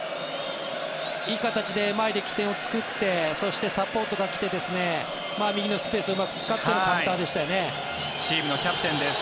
いい形で前で起点を作ってそして、サポートが来て右のスペースをうまく使ってのチームのキャプテンです。